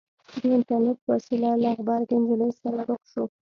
د اينټرنېټ په وسيله له غبرګې نجلۍ سره رخ شو.